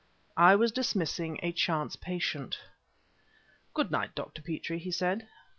I was dismissing a chance patient. "Good night, Dr. Petrie," he said.